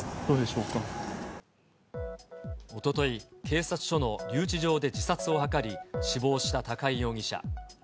おととい、警察署の留置場で自殺を図り、死亡した高井容疑者。